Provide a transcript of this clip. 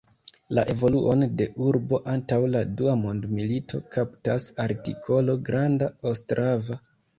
La evoluon de urbo antaŭ la dua mondmilito kaptas artikolo Granda Ostrava.